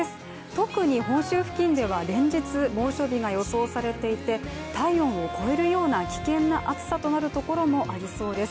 特に本州付近では連日猛暑日が予想されていて体温を超えるような危険な暑さとなるところもありそうです。